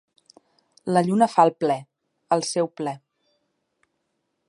La lluna fa el ple, el seu ple.